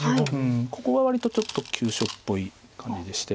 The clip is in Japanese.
ここが割とちょっと急所っぽい感じでして。